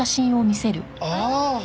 ああ！